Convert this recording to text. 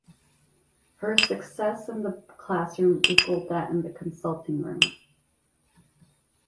Her success in the classroom equalled that in the consulting room.